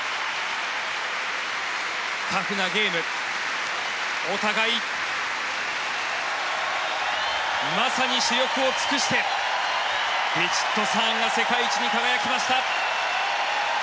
タフなゲームお互いまさに死力を尽くしてヴィチットサーンが世界一に輝きました。